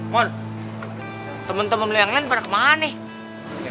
mon temen temen lo yang lain pada kemana nih